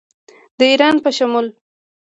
د ایران په شمول